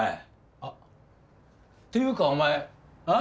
あっっていうかお前ああ？